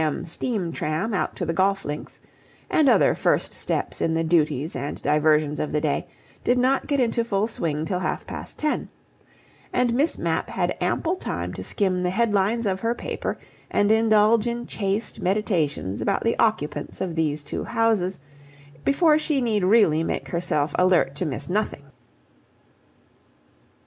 m. stream tram out to the golf links, and other first steps in the duties and diversions of the day, did not get into full swing till half past ten, and Miss Mapp had ample time to skim the headlines of her paper and indulge in chaste meditations about the occupants of these two houses, before she need really make herself alert to miss nothing.